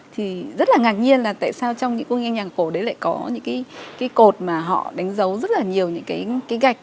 thì rất là ngạc nhiên là tại sao trong những ngôi nhà cổ đấy lại có những cột mà họ đánh dấu rất là nhiều gạch